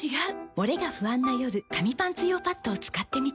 モレが不安な夜紙パンツ用パッドを使ってみた。